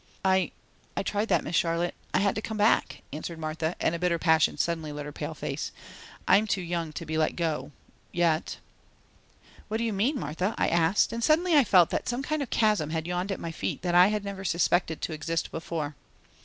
"I I tried that, Miss Charlotte. I had to come back," answered Martha, and a bitter passion suddenly lit her pale face. "I'm too young to be let go yet." "What do you mean, Martha?" I asked, and suddenly I felt that some kind of chasm had yawned at my feet that I had never suspected to exist before.